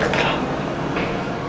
kamu harus bisa kalahin andi